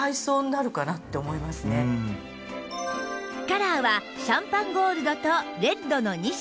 カラーはシャンパンゴールドとレッドの２色